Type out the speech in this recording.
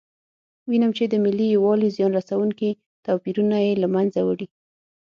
وینم چې د ملي یووالي زیان رسونکي توپیرونه یې له منځه وړي.